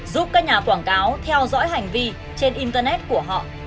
giúp các nhà quảng cáo theo dõi hành vi trên internet của họ